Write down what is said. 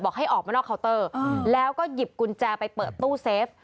ให้ออกมานอกเคาน์เตอร์แล้วก็หยิบกุญแจไปเปิดตู้เซฟ